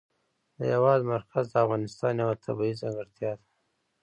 د هېواد مرکز د افغانستان یوه طبیعي ځانګړتیا ده.